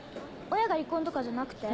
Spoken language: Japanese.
親が離婚とかじゃなくて？